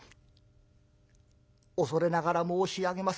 「恐れながら申し上げます。